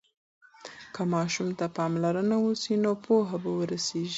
که ماشوم ته پاملرنه وسي نو پوهه به ورسيږي.